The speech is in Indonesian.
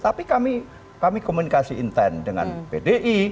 tapi kami komunikasi intent dengan pdi